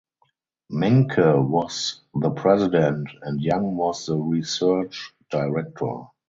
Menke was the president and Young was the research director.